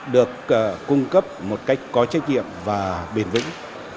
được cung cấp một cách có trách nhiệm và bền vững